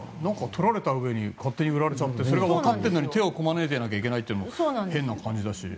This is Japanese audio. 取られたうえに勝手に売られちゃってそれがわかっているのに手をこまねいていなきゃいけないというのは変な感じだし。